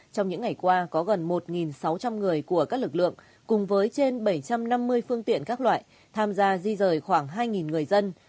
trong những ngày qua có gần một sáu trăm linh người của các lực lượng cùng với trên bảy trăm năm mươi phương tiện các loại tham gia di rời khoảng hai người dân